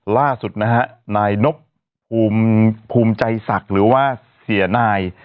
ล่าสุดนะฮะนายนบภูมิภูมิใจศักดิ์หรือว่าเสียนาย